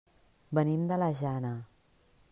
Venim de la Jana.